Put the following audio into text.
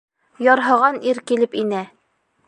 Ярһыған ир килеп инә.